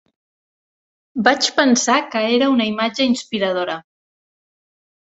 Vaig pensar que era una imatge inspiradora.